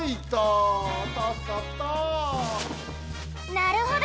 なるほど！